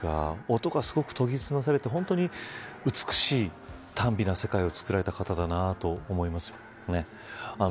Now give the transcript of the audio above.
音が、すごく研ぎ澄まされて美しい耽美な世界を作られたのだと思います。